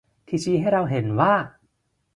ที่ชี้ให้เราเห็นว่า